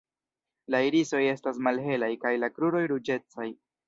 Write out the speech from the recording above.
La irisoj estas malhelaj kaj la kruroj ruĝecaj.